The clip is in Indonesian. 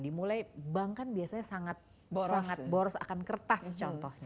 dimulai bank kan biasanya sangat boros akan kertas contohnya